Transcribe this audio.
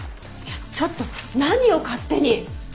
ちょっと何を勝手に！